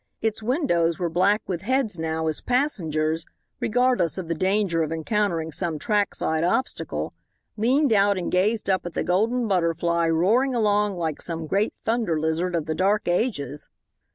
Its windows were black with heads now as passengers, regardless of the danger of encountering some trackside obstacle, leaned out and gazed up at the Golden Butterfly roaring along like some great Thunder Lizard of the dark ages.